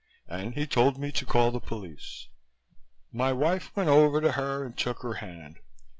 And he told me to call the police." My wife went over to her and took her hand.